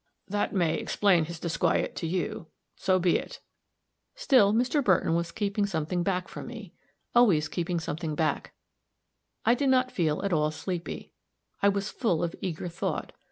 "That may explain his disquiet to you so be it." Still Mr. Burton was keeping something back from me always keeping something back. I did not feel at all sleepy. I was full of eager thought.